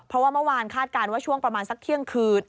เพราะว่าเมื่อวานคาดการณ์ว่าช่วงประมาณสักเที่ยงคืน